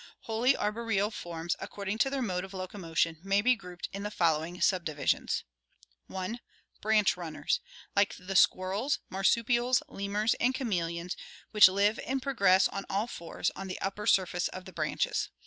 Wholly arboreal forms, according to their mode of locomotion, may be grouped in the following subdivisions: 1. Branch runners, like the squirrels, marsupials, lemurs, and chameleons, which live and progress on all fours on the upper sur face of the branches.